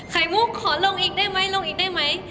ไข่มุกขอลงอีกได้ไหมลงอีกได้ไหม